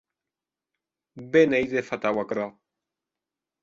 Be n’ei de fatau aquerò!